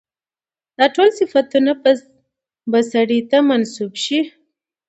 دا ټول صفتونه به سړي ته منسوب شي.